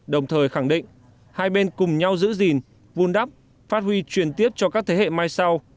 đồng thời khẳng định hai bên cùng nhau giữ gìn vun đắp phát huy truyền tiếp cho các thế hệ mai sau